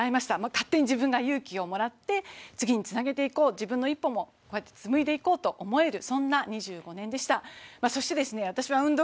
勝手に自分が勇気をもらって次につなげていこう自分の一歩も紡いでいこうって思えるそんな２５年でした。